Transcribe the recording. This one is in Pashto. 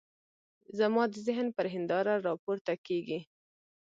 زما د ذهن پر هنداره را پورته کېږي.